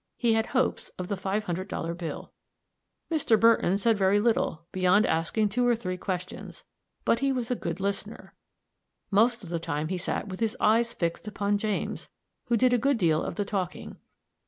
He had hopes of the five hundred dollar bill. Mr. Burton said very little, beyond asking two or three questions; but he was a good listener. Much of the time he sat with his eyes fixed upon James, who did a good deal of the talking.